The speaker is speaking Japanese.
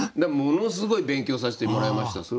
ものすごい勉強させてもらいました。